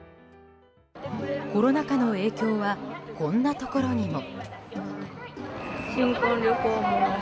コロナ禍の影響はこんなところにも。